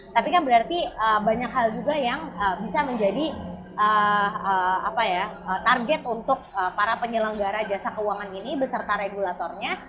tapi kan berarti banyak hal juga yang bisa menjadi target untuk para penyelenggara jasa keuangan ini beserta regulatornya